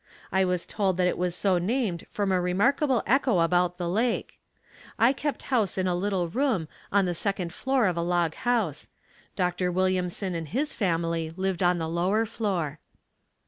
I was told that it was so named from a remarkable echo about the lake. I kept house in a little room on the second floor of a log house. Dr. Williamson and his family lived on the lower floor.